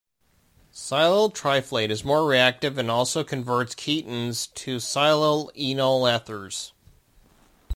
Silyl triflate is more reactive and also converts ketones to silyl enol ethers.